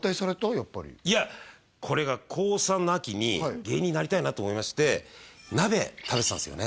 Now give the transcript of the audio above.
やっぱりいやこれが高３の秋に芸人になりたいなと思いまして鍋食べてたんですよね